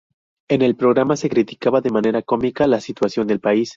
En el programa se criticaba de manera cómica la situación del país.